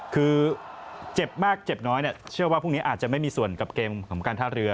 คือเจ็บมากเจ็บน้อยเนี่ยเชื่อว่าพรุ่งนี้อาจจะไม่มีส่วนกับเกมของการท่าเรือ